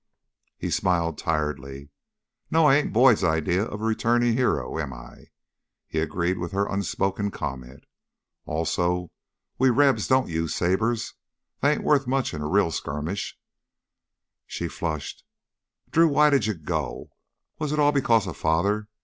He smiled tiredly. "No, I ain't Boyd's idea of a returnin' hero, am I?" he agreed with her unspoken comment. "Also, we Rebs don't use sabers; they ain't worth much in a real skirmish." She flushed. "Drew, why did you go? Was it all because of Father?